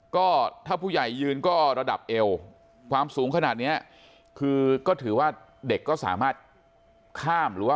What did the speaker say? ก็ถ้าผู้ใหญ่ยืนก็ระดับเอวความสูงขนาดเนี้ยคือก็ถือว่าเด็กก็สามารถข้ามหรือว่า